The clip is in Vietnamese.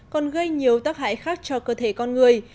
còn gây nhiều tác hại khác cho cơ thể con người